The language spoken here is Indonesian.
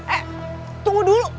eh tunggu dulu